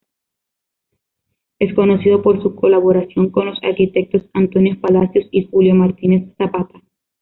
Es conocido por su colaboración con los arquitectos Antonio Palacios y Julio Martínez-Zapata.